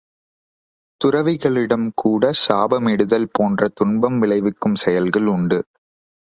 துறவிகளிடம்கூட சாபமிடுதல் போன்ற துன்பம் விளைவிக்கும் செயல்கள் உண்டு.